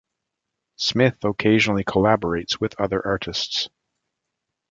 Smith occasionally collaborates with other artists.